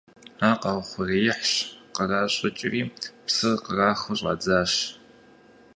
Ар къаухъуреихьщ, къращӏыкӏри, псыр кърахыу щӏадзащ.